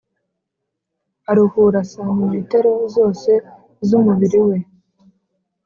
aruhura santimetero zose z'umubiri we.